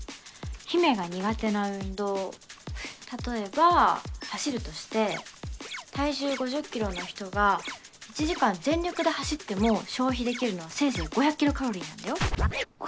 陽芽が苦手な運動例えば走るとして体重５０ｋｇの人が１時間全力で走っても消費できるのはせいぜい５００ｋｃａｌなんだよ